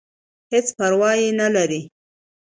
هېڅ پرواه ئې نۀ لرم -